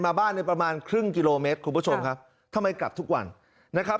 มาบ้านในประมาณครึ่งกิโลเมตรคุณผู้ชมครับทำไมกลับทุกวันนะครับ